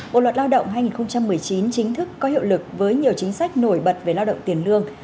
bộ luật lao động hai nghìn một mươi chín chính thức có hiệu lực với nhiều chính sách nổi bật về lao động tiền lương